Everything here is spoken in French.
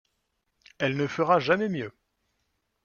Elle ne fera jamais mieux.